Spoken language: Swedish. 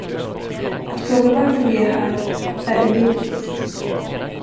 Att fråga varför vi är här är idiotiskt.